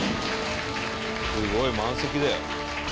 「すごい！満席だよ」